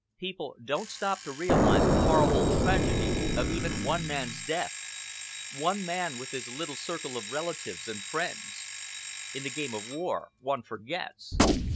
People don't stop to realise the horrible tragedy of even one man's death one man with his little circle of relatives and friends. In the game of war one forgets.